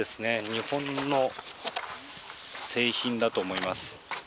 日本の製品だと思います。